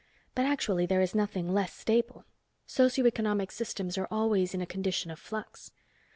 But actually there is nothing less stable. Socio economic systems are almost always in a condition of flux.